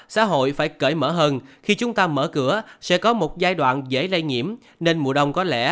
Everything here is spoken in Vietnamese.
xã hội phải cởi mở hơn khi chúng ta mở cửa sẽ có một giai đoạn dễ lây nhiễm nên mùa đông có lẽ